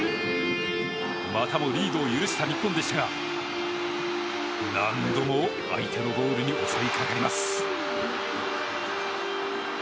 またもリードを許した日本でしたが何度も相手のゴールに襲いかかります。